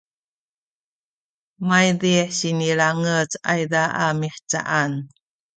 maydih sinilangec ayza a mihcaan